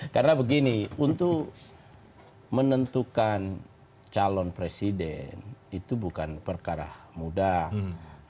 karena begini untuk menentukan calon presiden itu bukan perkara mudah